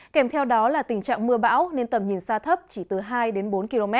kèm theo đó là tình trạng mưa bão nên tầm nhìn xa thấp chỉ từ hai đến bốn km